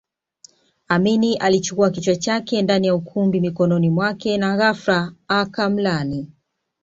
Amin alichukua kichwa chake ndani ya ukumbi mikononi mwake na ghafla akamlaani